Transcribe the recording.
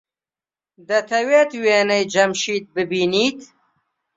دەتەوێت وێنەی جەمشید ببینیت؟